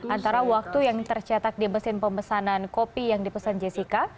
antara waktu yang tercetak di mesin pemesanan kopi yang dipesan jessica